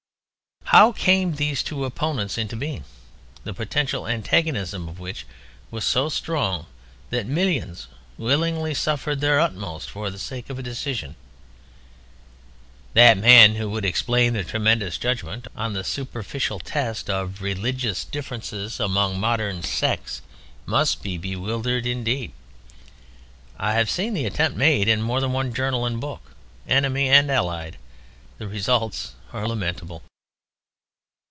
How came these two opponents into being, the potential antagonism of which was so strong that millions willingly suffered their utmost for the sake of a decision? That man who would explain the tremendous judgment on the superficial test of religious differences among modern "sects" must be bewildered indeed! I have seen the attempt made in more than one journal and book, enemy and Allied. The results are lamentable!